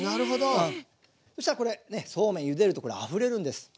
そしたらこれそうめんゆでるとあふれるんです。